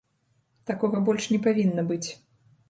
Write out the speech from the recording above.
Такога больш не павінна быць.